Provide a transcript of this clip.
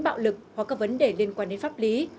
bạo lực hoặc các vấn đề liên quan đến pháp lý